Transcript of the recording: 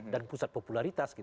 dan pusat popularitas